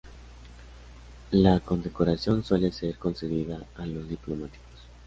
La condecoración suele ser concedida a los diplomáticos.